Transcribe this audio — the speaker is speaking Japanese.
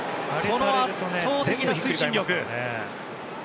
圧倒的な推進力。